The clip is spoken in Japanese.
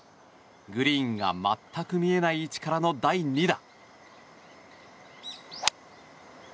グリーンが全く見えない位置からの第２打。